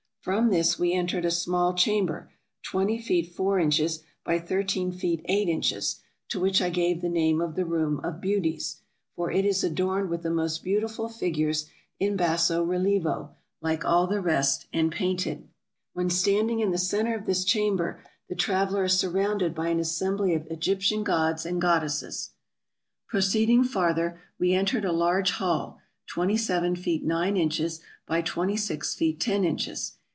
From this we entered a small chamber, twenty feet four inches by thirteen feet eight 364 TRAVELERS AND EXPLORERS inches, to which I gave the name of the Room of Beauties ; for it is adorned with the most beautiful figures in basso rilievo, like all the rest, and painted. When standing in the center of this chamber, the traveler is surrounded by an assembly of Egyptian gods and goddesses. Proceeding farther, we entered a large hall, twenty seven feet nine inches by twenty six feet ten inches.